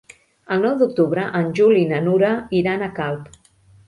El nou d'octubre en Juli i na Nura iran a Calp.